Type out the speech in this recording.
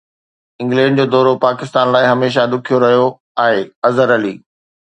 England جو دورو پاڪستان لاءِ هميشه ڏکيو رهيو آهي اظهر علي